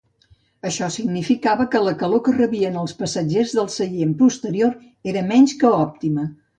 Això significava que la calor que rebien els passatgers del seient posterior era menys que òptima.